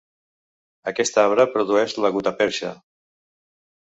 Aquest arbre produeix la gutaperxa.